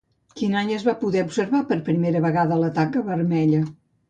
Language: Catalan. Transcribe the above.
Quin any es va poder observar per primera vegada la taca vermella?